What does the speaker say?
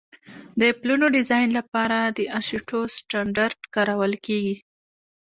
د پلونو ډیزاین لپاره د اشټو سټنډرډ کارول کیږي